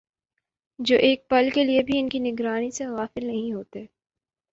جو ایک پل کے لیے بھی ان کی نگرانی سے غافل نہیں ہوتے